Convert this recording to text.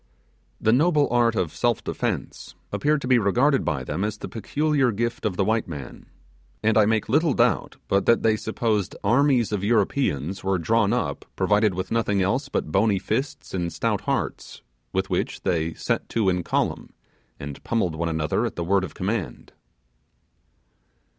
The noble art of self defence appeared to be regarded by them as the peculiar gift of the white man; and I make little doubt that they supposed armies of Europeans were drawn up provided with nothing else but bony fists and stout hearts, with which they set to in column, and pummelled one another at the word of command.